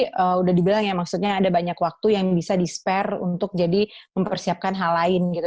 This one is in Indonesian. sudah dibilang ya maksudnya ada banyak waktu yang bisa di spare untuk jadi mempersiapkan hal lain gitu